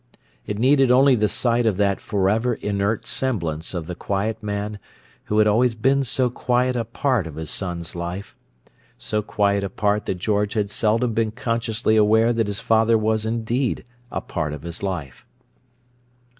It needed only the sight of that forever inert semblance of the quiet man who had been always so quiet a part of his son's life—so quiet a part that George had seldom been consciously aware that his father was indeed a part of his life.